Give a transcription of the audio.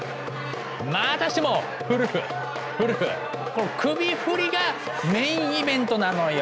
この首振りがメインイベントなのよ。